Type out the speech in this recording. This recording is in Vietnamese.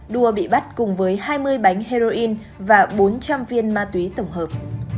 đua bị bắt cùng với hai mươi bánh heroin và bốn trăm linh viên ma túy tổng hợp